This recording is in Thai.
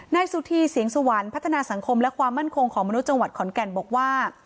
นายสุธีเสียงสวรรค์พัฒนาสังคมและความมั่นคงของมนุษย์จังหวัดขอนแก่นบอกว่า